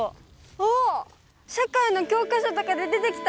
あっ社会の教科書とかで出てきた！